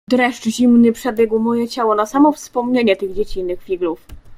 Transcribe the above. "Dreszcz zimny przebiegł moje ciało na samo wspomnienie tych dziecinnych figlów."